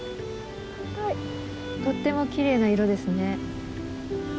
とってもきれいな色ですね。